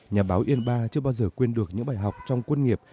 nhà báo yên ba chưa bao giờ quên được những bài học trong quân nghiệp